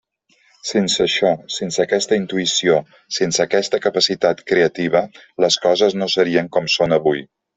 Sense això, sense aquesta intuïció, sense aquesta capacitat creativa, les coses no serien com són avui.